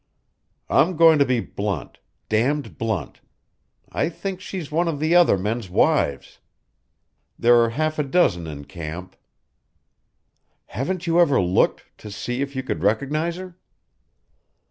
I'm going to be blunt damned blunt. I think she's one of the other men's wives. There are half a dozen in camp." "Haven't you ever looked to see if you could recognize her?"